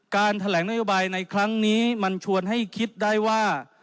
แถลงนโยบายในครั้งนี้มันชวนให้คิดได้ว่า